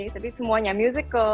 tapi semuanya musical